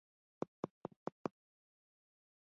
دا هغه څه دي چې ما له تیمورشاه څخه ولیدل.